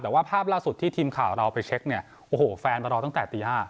แต่ว่าภาพล่าสุดที่ทีมข่าวเราไปเช็คเนี่ยโอ้โหแฟนมารอตั้งแต่ตี๕